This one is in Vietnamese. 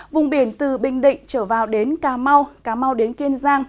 vùng biển từ bình định trở vào đến cà mau cà mau đến kiên giang